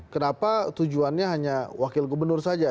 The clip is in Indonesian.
kenapa tujuannya hanya wakil gubernur saja